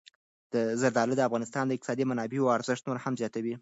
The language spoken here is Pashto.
زردالو د افغانستان د اقتصادي منابعو ارزښت نور هم زیاتوي.